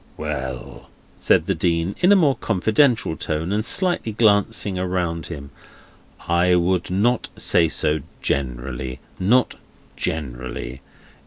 "We e ell!" said the Dean, in a more confidential tone, and slightly glancing around him, "I would not say so, generally. Not generally.